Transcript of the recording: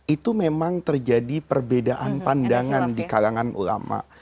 itu memang terjadi perbedaan pandangan di kalangan ulama